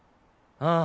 ああ。